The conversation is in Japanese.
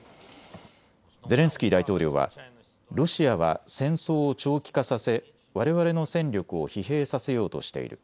ゼレンスキー大統領はロシアは戦争を長期化させ、われわれの戦力を疲弊させようとしている。